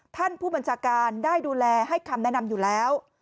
ท่านผู้บัญชาการได้ดูแลให้คำแนะนำอยู่แล้ว